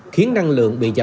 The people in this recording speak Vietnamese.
khiến năng lượng bị giảm